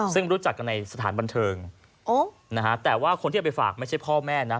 ซึ่งรู้จักกันในสถานบันเทิงนะฮะแต่ว่าคนที่เอาไปฝากไม่ใช่พ่อแม่นะ